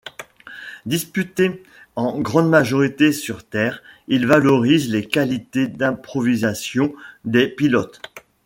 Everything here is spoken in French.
Disputé en grande majorité sur terre, il valorise les qualités d'improvisation des pilotes.